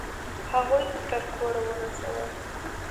هغوی دې تر کوره ورسول؟